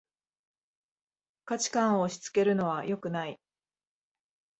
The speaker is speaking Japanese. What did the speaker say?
価値観を押しつけるのはよくない